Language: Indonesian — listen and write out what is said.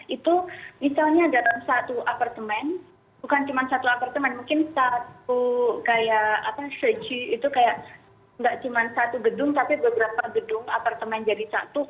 itu misalnya dalam satu apartemen bukan cuma satu apartemen mungkin satu kayak apa segi itu kayak nggak cuma satu gedung tapi beberapa gedung apartemen jadi satu